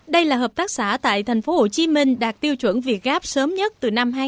đây là hợp tác xã tại tp hcm đạt tiêu chuẩn việc gáp sớm nhất từ năm hai nghìn năm